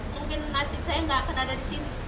mungkin nasib saya nggak akan ada di sini